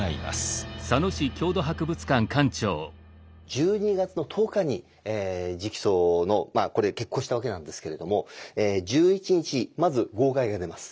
１２月の１０日に直訴のこれ決行したわけなんですけれども１１日まず号外が出ます。